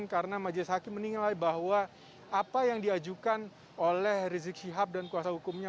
karena majelis hakim menilai bahwa apa yang diajukan oleh rizik siap dan kuasa hukumnya